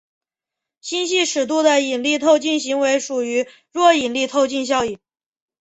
星系尺度的引力透镜行为属于弱引力透镜效应。